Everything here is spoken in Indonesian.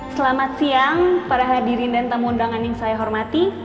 selamat siang para hadirin dan tamu undangan yang saya hormati